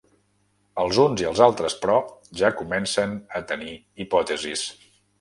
Els uns i els altres, però, ja comencen a tenir hipòtesis.